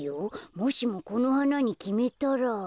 もしもこのはなにきめたら。